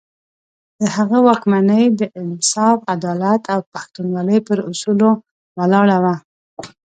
د هغه واکمني د انصاف، عدالت او پښتونولي پر اصولو ولاړه وه.